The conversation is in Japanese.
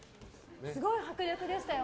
すごい迫力でしたよ。